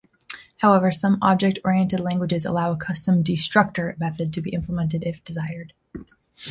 However, some object-oriented languages allow a custom destructor method to be implemented, if desired.